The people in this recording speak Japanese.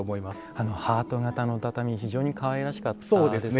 あのハート形の畳非常にかわいらしかったですよね。